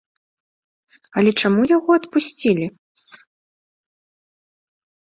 Але чаму яго адпусцілі?